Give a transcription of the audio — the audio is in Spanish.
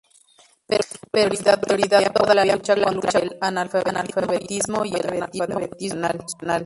Pero su prioridad todavía fue la lucha contra el analfabetismo y el analfabetismo funcional.